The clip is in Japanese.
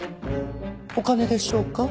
お金でしょうか？